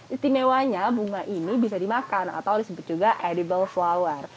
istimewanya bunga ini bisa dimakan atau disebut juga edible flower